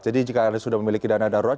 jadi jika anda sudah memiliki dana darurat